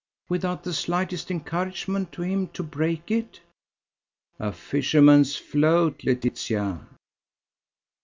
"Without the slightest encouragement to him to break it?" "A fisherman's float, Laetitia!"